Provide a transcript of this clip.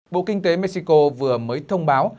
bộ kinh tế mexico vừa mới thông báo